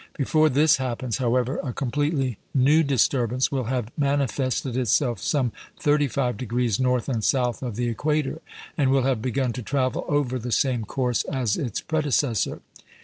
Before this happens, however, a completely new disturbance will have manifested itself some 35° north and south of the equator, and will have begun to travel over the same course as its predecessor.